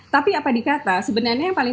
tapi apa dikata sebenarnya yang paling